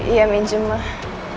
iya minjol mah